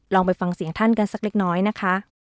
ไปฟังเสียงท่านกันสักเล็กน้อยนะคะ